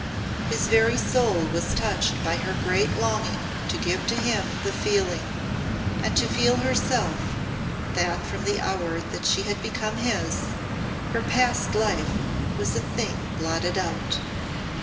His very soul was touched by her great longing to give to him the feeling, and to feel herself, that from the hour that she had become his, her past life was a thing blotted out.